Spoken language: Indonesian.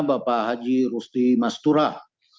bapak haji rusti masturah